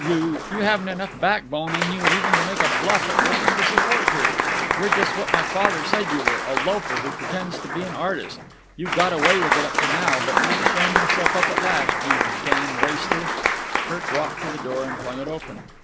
You! You haven't enough backbone in you even to make a bluff at working to support her. You're just what my father said you were—a loafer who pretends to be an artist. You've got away with it up to now, but you've shown yourself up at last. You damned waster!" Kirk walked to the door and flung it open.